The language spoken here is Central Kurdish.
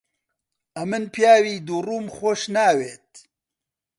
ئەمن پیاوی دووڕووم خۆش ناوێت.